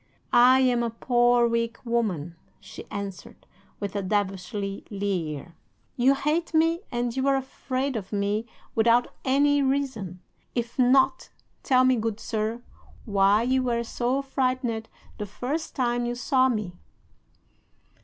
"'"I am a poor weak woman," she answered, with a devilish leer. "You hate me, and you are afraid of me without any reason. If not, tell me, good sir, why you were so frightened the first time you saw me."